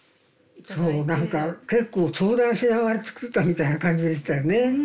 そう何か結構相談しながら作ったみたいな感じでしたよね。